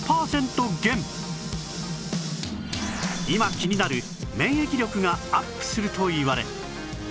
今気になる免疫力がアップするといわれ